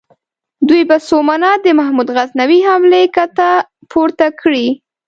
دوی په سومنات د محمود غزنوي حملې کته پورته کړې.